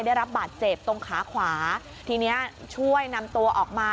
ได้รับบาดเจ็บตรงขาขวาทีเนี้ยช่วยนำตัวออกมา